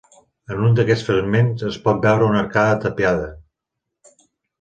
En un d'aquests fragments es pot veure una arcada tapiada.